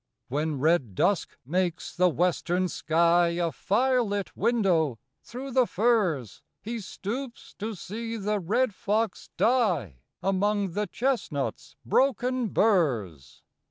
When red dusk makes the western sky A fire lit window through the firs, He stoops to see the red fox die Among the chestnut's broken burs.